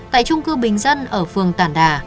tại trung cư bình dân ở phương tản đà